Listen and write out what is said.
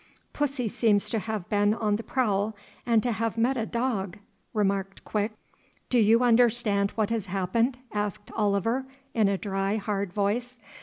"Pussy seems to have been on the prowl and to have met a dog," remarked Quick. "Do you understand what has happened?" asked Oliver, in a dry, hard voice.